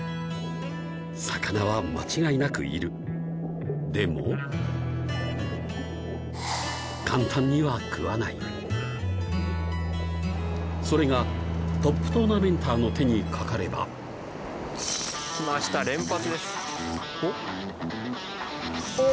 魚は間違いなくいるでも簡単には食わないそれがトップトーナメンターの手にかかれば来ました連発ですおっおお！